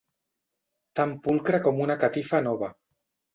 Tan pulcre com una catifa nova.